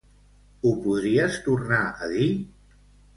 Ho podries tornar a dir?